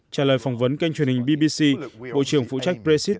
trả lời phỏng vấn kênh truyền hình bbc bộ trưởng phụ trách brexit